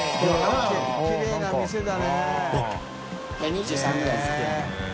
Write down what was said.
２３ぐらいのとき。